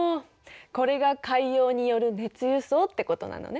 これが海洋による熱輸送ってことなのね。